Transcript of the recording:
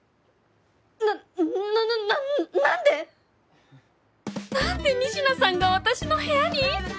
なななな何で⁉何で仁科さんが私の部屋に？